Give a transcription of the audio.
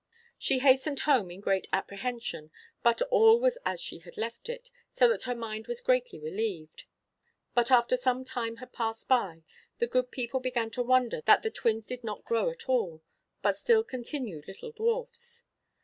She hastened home in great apprehension; but all was as she had left it, so that her mind was greatly relieved. 'But after some time had passed by, the good people began to wonder that the twins did not grow at all, but still continued little dwarfs.